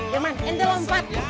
jerman entah lompat